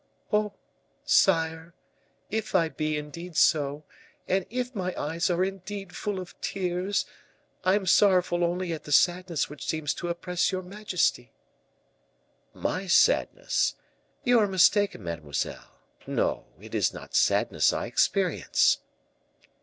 "Oh! sire, if I be indeed so, and if my eyes are indeed full of tears, I am sorrowful only at the sadness which seems to oppress your majesty." "My sadness? You are mistaken, mademoiselle; no, it is not sadness I experience."